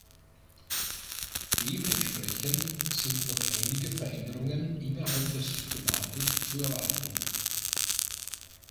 Dementsprechend sind noch einige Veränderungen innerhalb der Systematik zu erwarten.